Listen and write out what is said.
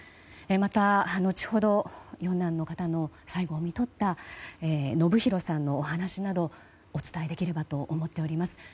また後程、四男の方の最期をみとった延啓さんのお話などをお伝えできればと思っております。